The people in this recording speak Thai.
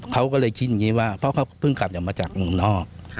เขาก็เลยคิดอย่างนี้ว่าเพราะเขาเพิ่งกลับอย่างมาจากเมืองนอก